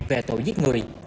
về tội giết người